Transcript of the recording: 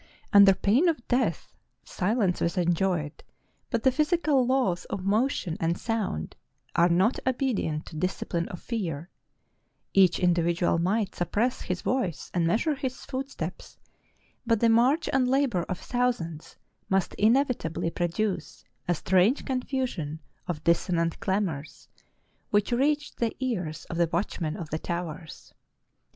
Under pain of death, silence was enjoined : but the physi cal laws of motion and sound are not obedient to dis cipline or fear; each individual might suppress his voice and measure his footsteps ; but the march and labor of thousands must inevitably produce a strange confusion of dissonant clamors, which reached the ears of the watchmen of the towers.